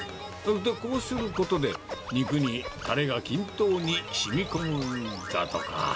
こうすることで、肉にたれが均等にしみこむんだとか。